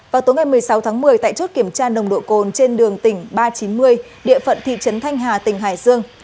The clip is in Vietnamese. vào tối ngày một mươi sáu tháng một mươi tại chốt kiểm tra nồng độ cồn trên đường tỉnh ba trăm chín mươi địa phận thị trấn thanh hà tỉnh hải dương